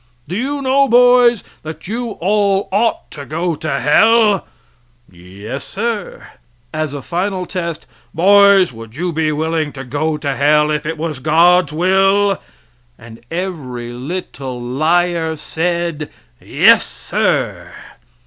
"Do you know, boys, that you all ought to go to hell?" "Yes, sir." As a final test: "Boys, would you be willing to go to hell if it was God's will?" And every little liar said, "Yes, sir."